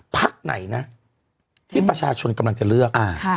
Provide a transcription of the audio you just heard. พักไหนนะที่ประชาชนกำลังจะเลือก